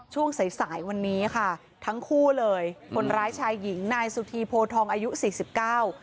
ช่วงสายสายวันนี้ค่ะทั้งคู่เลยคนร้ายชายหญิงนายสุธีโพทองอายุสี่สิบเก้า